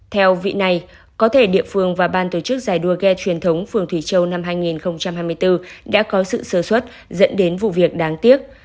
theo vị này có thể địa phương và ban tổ chức giải đua ghe truyền thống phường thủy châu năm hai nghìn hai mươi bốn đã có sự sơ xuất dẫn đến vụ việc đáng tiếc